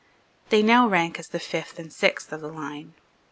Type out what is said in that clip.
They now rank as the fifth and sixth of the line.